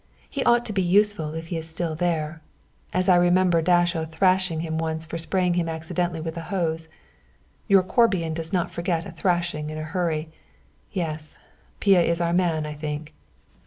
He ought to be useful if he is still there, as I remember Dasso thrashing him once for spraying him accidentally with a hose. Your Corbian does not forget a thrashing in a hurry. Yes, Pia is our man, I think."